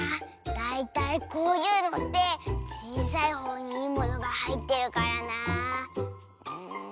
だいたいこういうのってちいさいほうにいいものがはいってるからなあ。